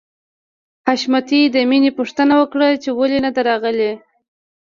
حشمتي د مینې پوښتنه وکړه چې ولې نده راغلې